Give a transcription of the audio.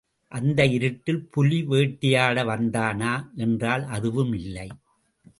அந்த இருட்டில் புலி வேட்டையாட வந்தானா என்றால் அதுவும் இல்லை.